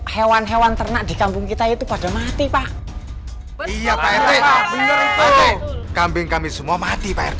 hewan hewan ternak di kampung kita itu pada mati pak iya pak rw kambing kami semua mati pak rt